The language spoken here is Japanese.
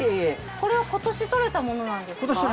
これは今年穫れたものなんですか？